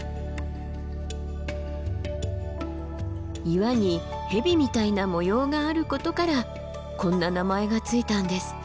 岩に蛇みたいな模様があることからこんな名前が付いたんですって。